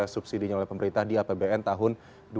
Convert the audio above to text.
subsidinya oleh pemerintah di apbn tahun dua ribu dua puluh